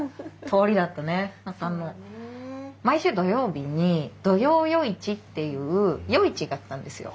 そうだねえ。毎週土曜日に土曜夜市っていう夜市があったんですよ。